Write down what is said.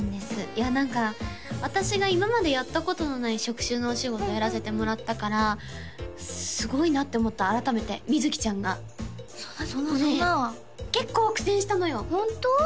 いや何か私が今までやったことのない職種のお仕事やらせてもらったからすごいなって思った改めて瑞ちゃんがそんなそんなそんな結構苦戦したのよ本当？